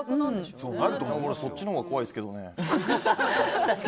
そっちのほうが怖いですけどね。